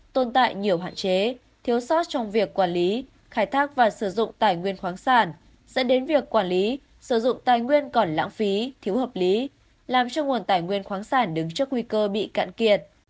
tồn tại nhiều hạn chế thiếu sót trong việc quản lý khai thác và sử dụng tài nguyên khoáng sản dẫn đến việc quản lý sử dụng tài nguyên còn lãng phí thiếu hợp lý làm cho nguồn tài nguyên khoáng sản đứng trước nguy cơ bị cạn kiệt